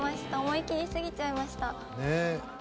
思いきりすぎちゃいました。